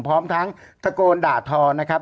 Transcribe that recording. พร้อมทั้งตะโกนด่าทอนะครับ